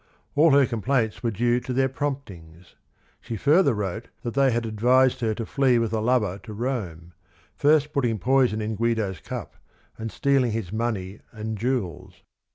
All her complaints were due to their promptings. She furth er wrote that the y had advised her to flee with a lover to Rome, first putting poison in (juido's cup and stealing his money and jewels.